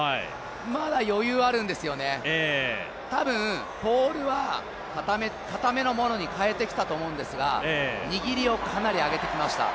まだ余裕あるんですよね、多分、ポールはかためのものに変えてきたと思うんですが握りをかなり上げてきました。